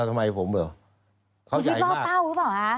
คุณชุวิตเราเป้ารู้หรือเปล่าครับา